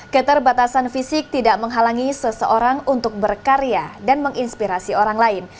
keterbatasan fisik tidak menghalangi seseorang untuk berkarya dan menginspirasi orang lain